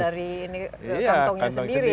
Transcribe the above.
dari kantongnya sendiri